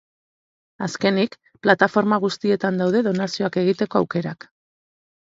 Azkenik, plataforma guztietan daude donazioak egiteko aukerak.